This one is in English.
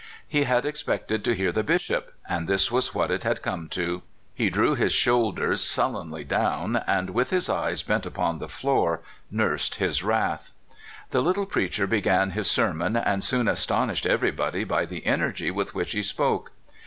He had ex pected to hear the Bishop, and this was what it had come to! He drew his shoulders sullenly down, and, with his eyes bent upon the floor, nursed his wrath. The little preacher began his sermon, and soon astonished everybody by the en ergy with which he spoke.